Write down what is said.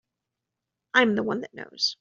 I'm the one that knows.